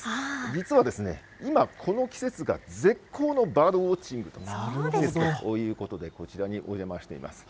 実は、今、この季節が絶好のバードウォッチングの季節ということで、こちらにお邪魔しています。